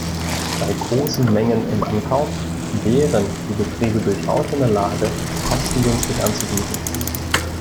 Bei großen Mengen im Ankauf wären die Betriebe durchaus in der Lage, kostengünstig anzubieten.